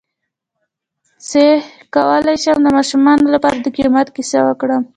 څ�ه کولی شم د ماشومانو لپاره د قیامت کیسه وکړم